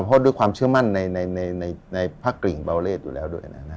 เพราะด้วยความเชื่อมั่นในพระกริ่งเบาเลสอยู่แล้วด้วยนะฮะ